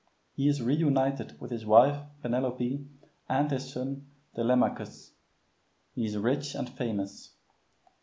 He is reunited with his wife Penelope and his son Telemachus. He is rich and famous.